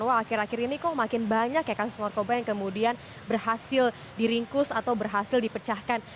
wah akhir akhir ini kok makin banyak ya kasus narkoba yang kemudian berhasil diringkus atau berhasil dipecahkan